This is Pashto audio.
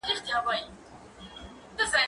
زه پرون د لوبو لپاره وخت نيولی؟!